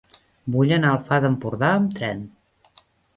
Vull anar al Far d'Empordà amb tren.